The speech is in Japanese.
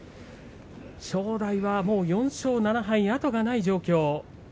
正代は４勝７敗、後がない状況。